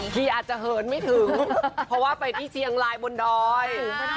ที่อาจจะเหินไม่ถึงเพราะว่าไปที่เชียงรายบนดอย